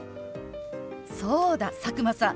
そうだ佐久間さん！